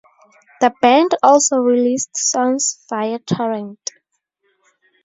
The band also released songs via torrent.